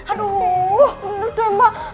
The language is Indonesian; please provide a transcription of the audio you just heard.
aduhh bener deh mbak